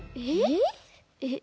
えっ？